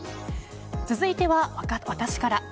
続いては、私から。